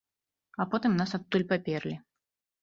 А потым нас адтуль паперлі.